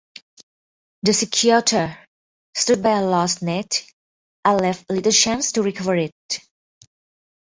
The "secutor" stood by a lost net and left little chance to recover it.